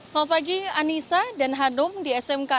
selamat pagi anissa dan hadom di smk enam jakarta